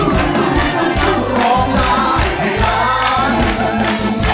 น้องปอนด์ร้องได้ให้ร้อง